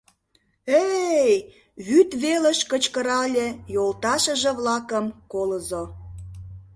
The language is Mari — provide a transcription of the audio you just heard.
— Э-эй! — вӱд велыш кычкырале йолташыже-влакым колызо.